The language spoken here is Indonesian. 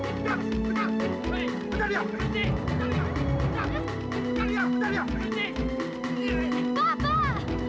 ketar ketar dia ketar